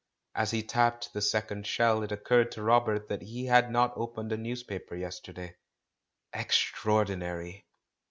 As he tapped the second shell, it occurred to Robert that he had not opened a newspaper yesterday. Extraordi nary!